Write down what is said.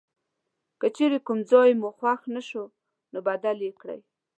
که چیرې کوم ځای مو خوښ نه شو نو بدل یې کړئ.